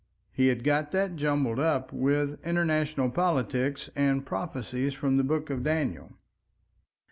He had got that jumbled up with international politics and prophecies from the Book of Daniel.